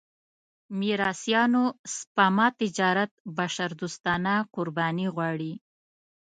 میراثيانو سپما تجارت بشردوستانه قرباني غواړي.